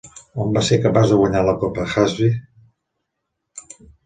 On va ser capaç de guanyar la copa Hazfi.